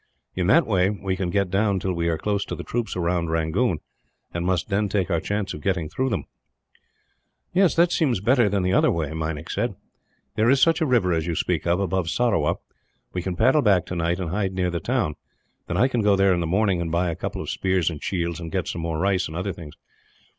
"In that way we can get down till we are close to the troops round Rangoon, and must then take our chance of getting through them." "That seems better than the other way," Meinik said. "There is such a river as you speak of, above Sarawa. We can paddle back tonight, and hide near the town; then I can go there in the morning, and buy a couple of spears and shields, and get some more rice and other things.